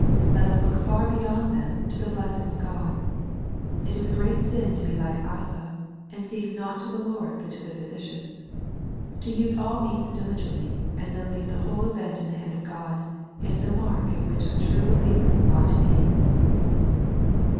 Let us look far beyond them to the blessing of God. It is a great sin to be like Asa, and seek not to the Lord but to the physicians. To use all means diligently, and then leave the whole event in the hand of God, is the mark at which a true believer ought to aim.